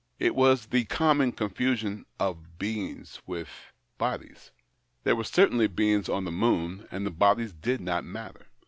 It was the common confusion of beings with 68 THE OCTAVE OF CLAUDIUS. bodies. There were certainly beings on the moon, and the Ijodies did not matter.